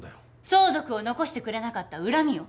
相続を残してくれなかった恨みよ。